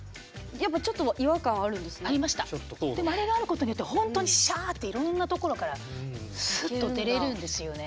でもあれがあることによってほんとにシャーッていろんな所からスッと出れるんですよね。